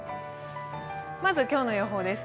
まず今日の予報です。